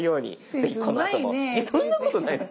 そんなことないです。